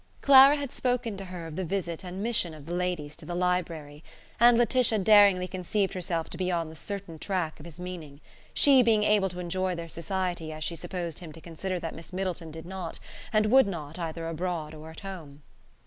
Clara had spoken to her of the visit and mission of the ladies to the library: and Laetitia daringly conceived herself to be on the certain track of his meaning, she being able to enjoy their society as she supposed him to consider that Miss Middleton did not, and would not either abroad or at home.